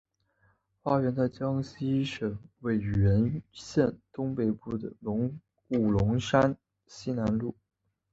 发源在江西省婺源县东北部的五龙山西南麓。